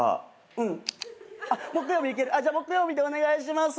うん。木曜日行ける？じゃあ木曜日でお願いします。